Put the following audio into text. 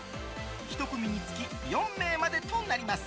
１組につき４名までとなります。